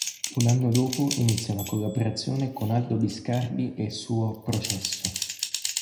Un anno dopo inizia una collaborazione con Aldo Biscardi e il suo "Processo".